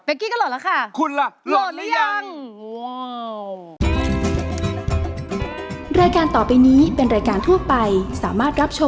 เฟคกี้ก็โหลดแล้วค่ะ